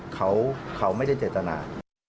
เขาไม่ได้เจตนา